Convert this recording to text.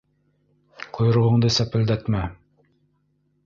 Ҡойроғоңдо сәпелдәтмә!